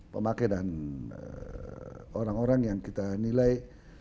pemakai dan orang orang yang kita nilai